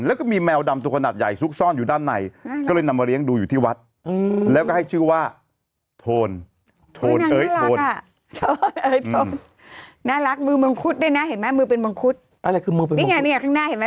เป็นบังคุณเห็นปะนิ้วมันมันจะเป็นเหงาขาวเราชอบเลี้ยงแมว